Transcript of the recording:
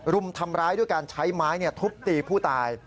รุมทำร้ายด้วยการใช้ไม้ทุบตีผู้ตาย